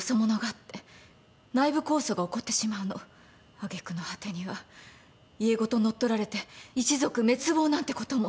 揚げ句の果てには家ごと乗っ取られて一族滅亡なんてことも。